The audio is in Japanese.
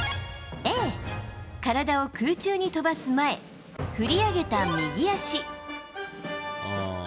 Ａ、体を空中に飛ばす前、振り上げた右足。